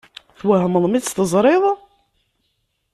Twehmeḍ mi tt-teẓṛiḍ?